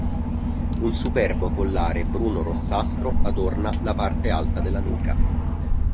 Un superbo collare bruno-rossastro adorna la parte alta della nuca.